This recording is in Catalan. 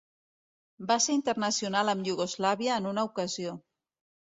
Va ser internacional amb Iugoslàvia en una ocasió.